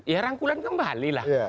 ya rangkulan kembali lah